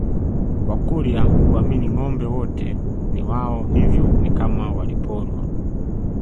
Wakurya huamini ngombe wote ni wao hivyo ni kama waliporwa